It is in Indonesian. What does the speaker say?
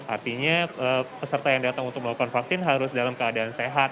artinya peserta yang datang untuk melakukan vaksin harus dalam keadaan sehat